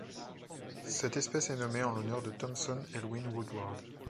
Cette espèce est nommée en l'honneur de Thompson Elwyn Woodward.